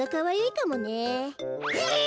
え？